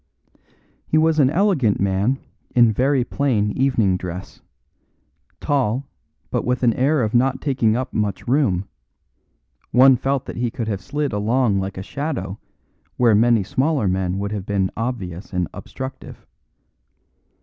He was an elegant man in very plain evening dress; tall, but with an air of not taking up much room; one felt that he could have slid along like a shadow where many smaller men would have been obvious and obstructive.